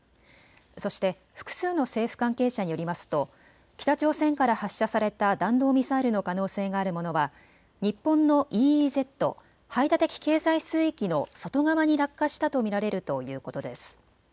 そして複数の政府関係者によりますと北朝鮮から発射された弾道ミサイルの可能性があるものは日本のＥＥＺ・排他的経済水域の外側に落下したと見られるということです。